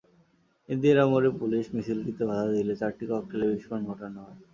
ইন্দিরা মোড়ে পুলিশ মিছিলটিতে বাধা দিলে চারটি ককটেলের বিস্ফোরণ ঘটানো হয়।